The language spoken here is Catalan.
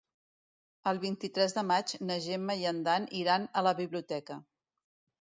El vint-i-tres de maig na Gemma i en Dan iran a la biblioteca.